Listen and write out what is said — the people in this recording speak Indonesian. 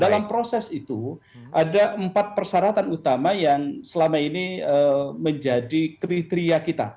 dalam proses itu ada empat persyaratan utama yang selama ini menjadi kriteria kita